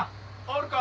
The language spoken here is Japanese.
おるか？